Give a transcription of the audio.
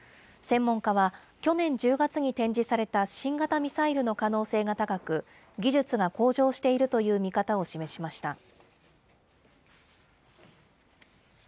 専門家は、去年１０月に展示された新型ミサイルの可能性が高く、技術が向上しているという見方を示しました。